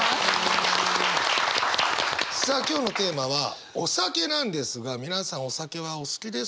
さあ今日のテーマは「お酒」なんですが皆さんお酒はお好きですか？